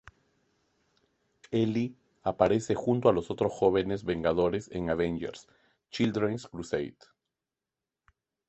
Eli aparece junto a los otros Jóvenes Vengadores en Avengers: Children's Crusade.